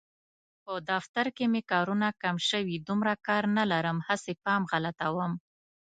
په دفتر کې مې کارونه کم شوي، دومره کار نه لرم هسې پام غلطوم.